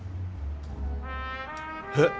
え？